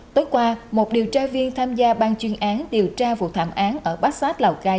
tối qua một điều tra viên tham gia ban chuyên án điều tra vụ thảm án ở bát sát lào cai